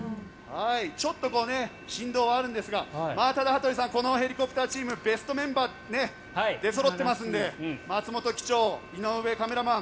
ちょっと振動があるんですがただ、羽鳥さんこのヘリコプターチームベストメンバーが出そろってますので松本機長、井上カメラマン